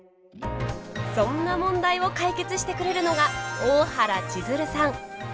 そんな問題を解決してくれるのが大原千鶴さん。